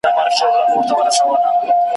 ګناه ستا ده او همدغه دي سزا ده `